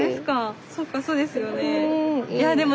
そっかそうですよね。